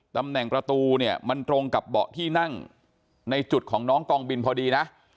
ตำแหน่งประตูเนี่ยมันตรงกับเบาะที่นั่งในจุดของน้องกองบินพอดีนะ